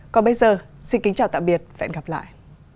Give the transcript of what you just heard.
còn bây giờ xin kính chào tạm biệt và hẹn gặp lại